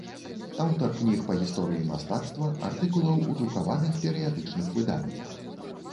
Аўтар кніг па гісторыі мастацтва, артыкулаў ў друкаваных перыядычных выданнях.